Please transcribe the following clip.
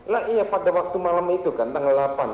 lah iya pada waktu malam itu kan tanggal delapan